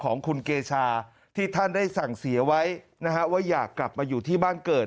ของคุณเกชาที่ท่านได้สั่งเสียไว้นะฮะว่าอยากกลับมาอยู่ที่บ้านเกิด